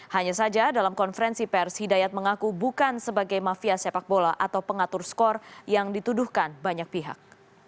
hanya saja dalam konferensi pers hidayat mengaku bukan sebagai mafia sepak bola atau pengatur skor yang dituduhkan banyak pihak